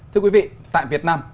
thưa quý vị tại việt nam